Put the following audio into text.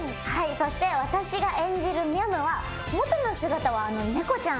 そして私が演じるみゃむは元の姿は猫ちゃん。